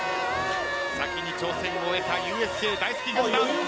先に挑戦を終えたＵＳＪ大好き軍団。